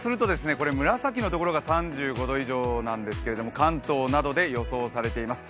紫のところが３５度以上なんですが関東などで予想されています。